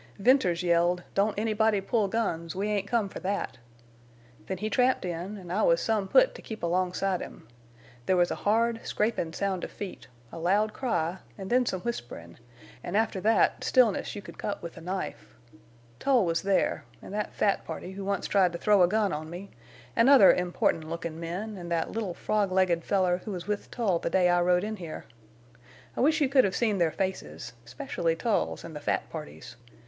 "Venters yelled: 'Don't anybody pull guns! We ain't come for that!' Then he tramped in, an' I was some put to keep alongside him. There was a hard, scrapin' sound of feet, a loud cry, an' then some whisperin', an' after that stillness you could cut with a knife. Tull was there, an' that fat party who once tried to throw a gun on me, an' other important lookin' men, en' that little frog legged feller who was with Tull the day I rode in here. I wish you could have seen their faces, 'specially Tull's an' the fat party's.